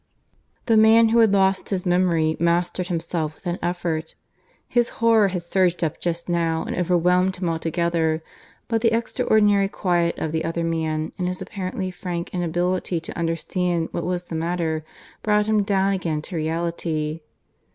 The man who had lost his memory mastered himself with an effort. His horror had surged up just now and overwhelmed him altogether, but the extraordinary quiet of the other man and his apparently frank inability to understand what was the matter brought him down again to reality.